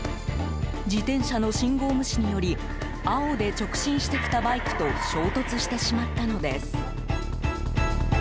自転車の信号無視により青で直進してきたバイクと衝突してしまったのです。